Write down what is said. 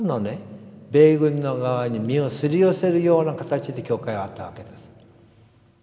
米軍の側に身をすり寄せるような形で教会はあったわけです。